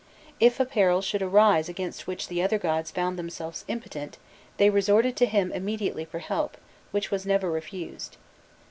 If a peril should arise against which the other gods found themselves impotent, they resorted to him immediately for help, which was never refused.